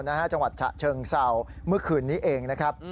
จังหวัดฉะเชิงเศร้าเมื่อคืนนี้เองนะครับ